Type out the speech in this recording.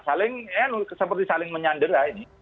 saling seperti saling menyander